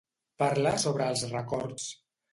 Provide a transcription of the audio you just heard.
Parla sobre els records.